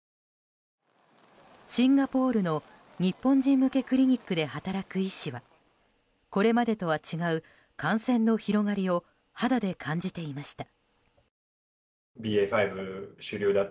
シンガポールの日本人向けクリニックで働く医師はこれまでとは違う感染の広がりを肌で感じていました。